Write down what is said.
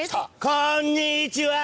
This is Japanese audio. こんにちは！